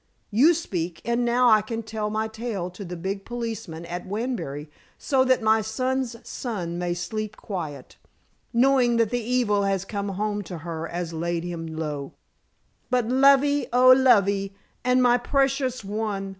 You speak, and now I can tell my tale to the big policeman at Wanbury so that my son's son may sleep quiet, knowing that the evil has come home to her as laid him low. But, lovey, oh, lovey, and my precious one!"